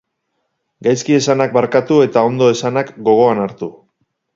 Gaizki esanak barkatu eta ondo esanak gogoan hartu.